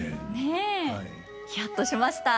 ヒヤッとしました。